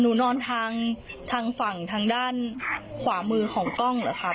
หนูนอนทางฝั่งทางด้านขวามือของกล้องเหรอคะ